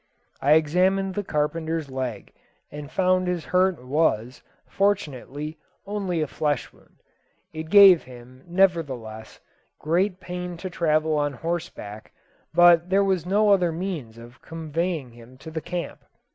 I examined the carpenter's leg, and found his hurt was, fortunately, only a flesh wound. It gave him, nevertheless, great pain to travel on horseback, but there was no other means of conveying him to the camp.